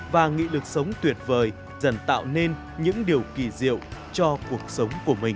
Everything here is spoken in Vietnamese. và nghị lực sống tuyệt vời dần tạo nên những điều kỳ diệu cho cuộc sống của mình